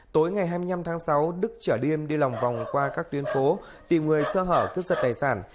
tối ngày hai mươi năm tháng sáu đức trở điêm đi lòng vòng qua các tuyến phố tìm người sơ hở cướp giật tài sản